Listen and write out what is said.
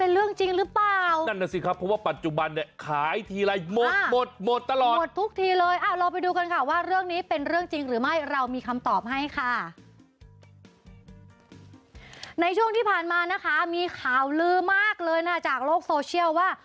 เราไปดูกันค่ะว่าเรื่องนี้เป็นเรื่องจริงหรือไม่เรามีคำตอบให้ค่ะในช่วงที่ผ่านมานะคะมีข่าวลือมากเลยนะจากโลกโซเชียลว่า